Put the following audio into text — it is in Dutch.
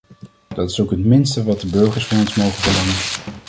Dat is ook het minste wat de burgers van ons mogen verlangen.